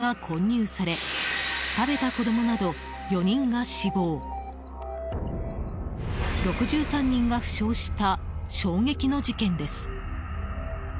夏祭りで出たカレーに毒物が混入され食べた子供など４人が死亡６３人が負傷した衝撃の事件です。